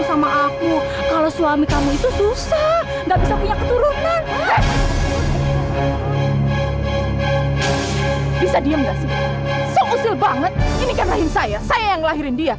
sampai jumpa di video selanjutnya